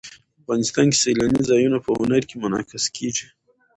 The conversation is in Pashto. افغانستان کې سیلاني ځایونه په هنر کې منعکس کېږي.